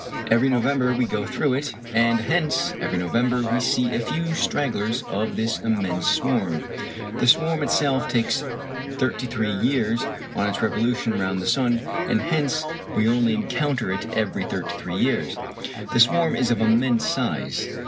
Every November we go through it, and hence every November we see a few stragglers of this immense swarm. The swarm itself takes thirty three years on its revolution round the sun, and hence we only encounter it every thirty three years. The swarm is of immense size.